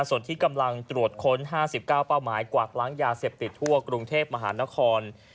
ส่วนที่กำลังตรวจค้น๕๙เป้าหมายกวากล้างยาเสพติดทั่วกรุงเทพมหานคร